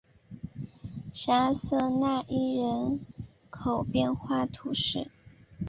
沙瑟讷伊人口变化图示